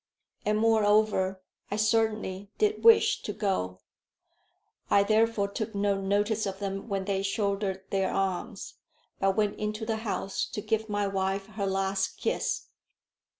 And moreover, I certainly did wish to go. I therefore took no notice of them when they shouldered their arms, but went into the house to give my wife her last kiss.